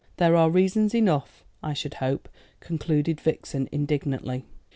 There are reasons enough, I should hope," concluded Vixen indignantly.